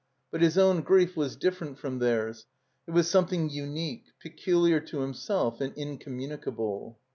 But his own grief was different from theirs. It was something tmique, peculiar to himself and incommunicable.